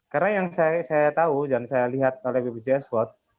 karena yang saya tahu dan saya lihat oleh bpjs watt